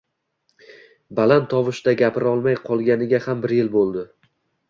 Baland tovushda gapirolmay qolganiga ham bir yil boʻldi.